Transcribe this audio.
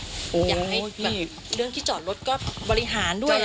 อยากให้แบบเรื่องที่จอดรถก็บริหารด้วย